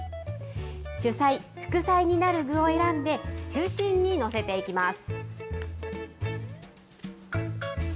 主菜、副菜になる具を選んで中心に載せていきます。